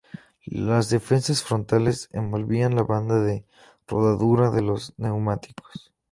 Las defensas frontales envolvían la banda de rodadura de los neumáticos.